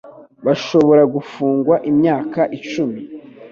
Bashobora gufungwa imyaka icumi.